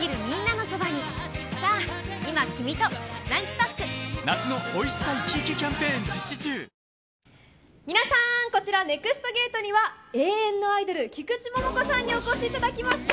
サントリー皆さん、こちら、ＮＥＸＴゲートには、永遠のアイドル、菊池桃子さんにお越しいただきました。